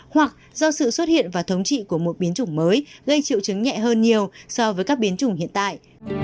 hoặc do sự xuất hiện và thống trị của một biến chủng mới gây triệu chứng nhẹ hơn nhiều so với các biến chủng hiện tại